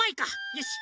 よし。